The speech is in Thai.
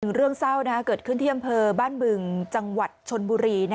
เรื่องเศร้าเกิดขึ้นที่อำเภอบ้านบึงจังหวัดชนบุรี